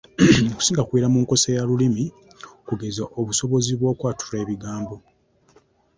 Okusinga kubeera mu nkozesa ya Lulimi okugeza obusobozi bw’okwatula ebigambo.